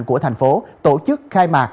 của thành phố tổ chức khai mạc